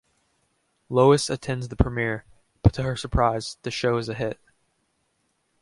Lois attends the premiere, but to her surprise, the show is a hit.